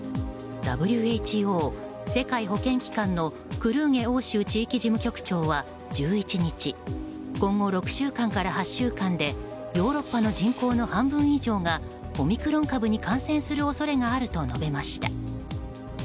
ＷＨＯ・世界保健機関のクルーゲ欧州地域事務局長は１１日、今後６週間から８週間でヨーロッパの人口の半分以上がオミクロン株に感染する恐れがあると述べました。